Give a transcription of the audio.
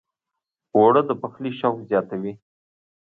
اوړه د پخلي شوق زیاتوي